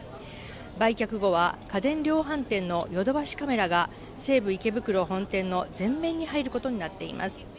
売却後は、家電量販店のヨドバシカメラが、西武池袋本店の前面に入ることになっています。